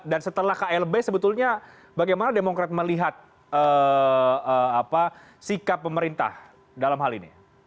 dan setelah klb sebetulnya bagaimana demokrat melihat sikap pemerintah dalam hal ini